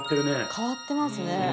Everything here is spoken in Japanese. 変わってますね。